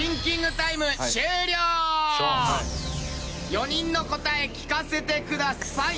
４人の答え聞かせてください。